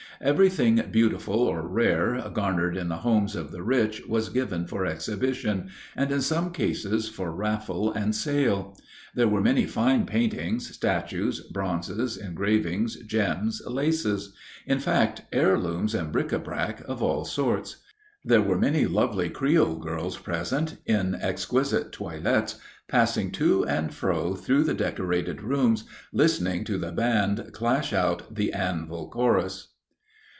Everything beautiful or rare garnered in the homes of the rich was given for exhibition, and in some cases for raffle and sale. There were many fine paintings, statues, bronzes, engravings, gems, laces in fact, heirlooms and bric à brac of all sorts. There were many lovely creole girls present, in exquisite toilets, passing to and fro through the decorated rooms, listening to the band clash out the Anvil Chorus.